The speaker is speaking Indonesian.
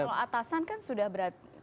kalau atasan kan sudah berarti